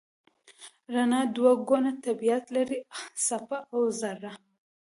رڼا دوه ګونه طبیعت لري: څپه او ذره.